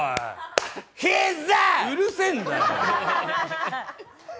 うるせえんだよ！